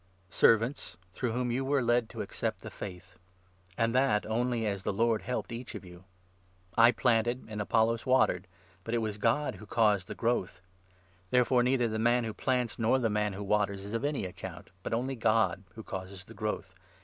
Servants through whom you were led to accept the Faith ; and that only as the Lord helped each of you. I planted, and Apollos watered, but it was God who 6 caused the growth. Therefore neither the man who plants, 7 nor the man who waters, is of any account, but only God who causes the growth.